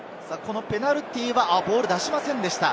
ペナルティーはボールを出しませんでした。